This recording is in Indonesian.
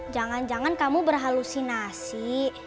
jangan jangan kamu berhalusinasi